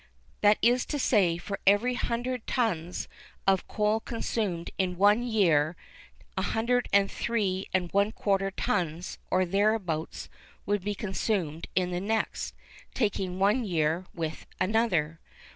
That is to say, for every hundred tons of coal consumed in one year, 103¼ tons, or thereabouts, would be consumed in the next—taking one year with another.